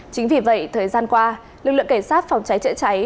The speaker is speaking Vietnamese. chính vì vậy thời gian qua lực lượng cảnh sát phòng cháy chữa cháy